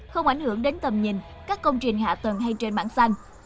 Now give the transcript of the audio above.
không ảnh hưởng đến tầm nhìn các công trình hạ tầng hay trên mảng xanh